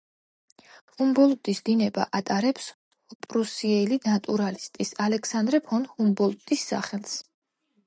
ჰუმბოლდტის დინება ატარებს პრუსიელი ნატურალისტის, ალექსანდერ ფონ ჰუმბოლდტის სახელს.